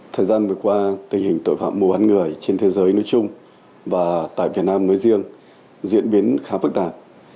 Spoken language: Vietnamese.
thời gian vừa qua tình hình tội phạm mùa ăn người trên thế giới nối chung và tại việt nam nối riêng diễn biến khá phức tạp